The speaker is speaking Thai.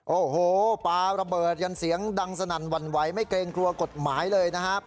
โอ้โหปลาระเบิดกันเสียงดังสนั่นหวั่นไหวไม่เกรงกลัวกฎหมายเลยนะครับ